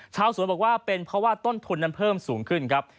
ชาวสวนบอกว่าเป็นเพราะว่าต้นทุนนั้นเพิ่มสูงขึ้นครับ